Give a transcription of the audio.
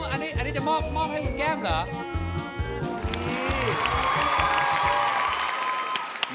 อันนี้จะมอบให้คุณแก้มเหรอ